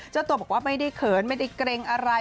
เจ้าตัวบอกว่าไม่ได้เขินไม่ได้เกรงอะไร